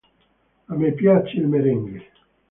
A me piace il merengue